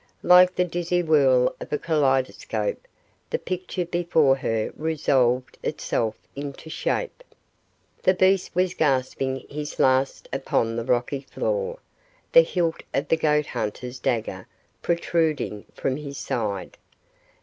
Like the dizzy whirl of a kaleidoscope, the picture before her resolved itself into shape. The beast was gasping his last upon the rocky floor, the hilt of the goat hunter's dagger protruding from his side.